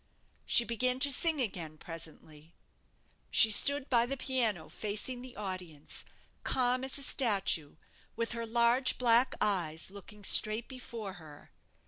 She began to sing again presently. She stood by the piano, facing the audience, calm as a statue, with her large black eyes looking straight before her.